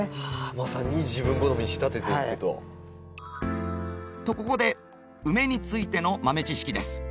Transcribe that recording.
まさに自分好みに仕立てていくと。とここでウメについての豆知識です。